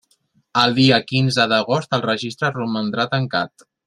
El dia quinze d'agost el registre romandrà tancat.